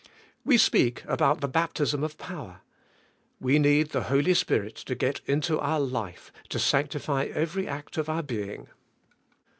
"We speak about the baptism of power. We need the Holy Spirit to get into our life^ to sanctify ever}^ act of our being.